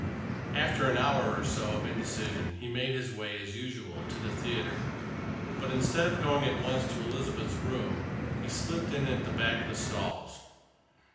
After an hour or so of indecision he made his way, as usual, to the theatre, but instead of going at once to Elizabeth's room, he slipped in at the back of the stalls.